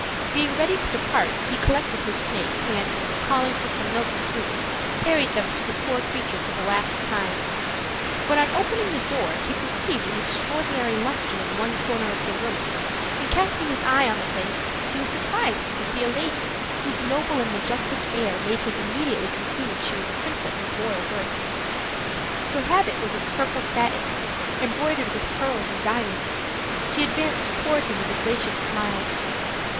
Being ready to depart, he recollected his snake, and, calling for some milk and fruits, carried them to the poor creature for the last time; but on opening the door he perceived an extraordinary luster in one corner of the room, and casting his eye on the place he was surprised to see a lady, whose noble and majestic air made him immediately conclude she was a princess of royal birth. Her habit was of purple satin, embroidered with pearls and diamonds; she advanced toward him with a gracious smile.